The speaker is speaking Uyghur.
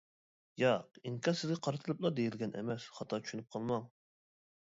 ياق، ئىنكاس سىزگە قارىتىپلا دېيىلگەن ئەمەس، خاتا چۈشىنىپ قالماڭ.